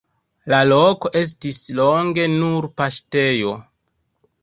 La loko estis longe nur paŝtejo.